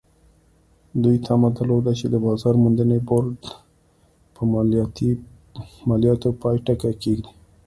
دوی تمه درلوده چې د بازار موندنې بورډ به پر مالیاتو پای ټکی کېږدي.